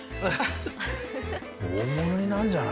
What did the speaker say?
大物になるんじゃない？